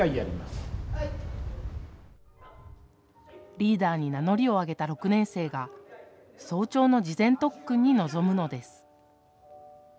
リーダーに名乗りを上げた６年生が早朝の事前特訓に臨むのです。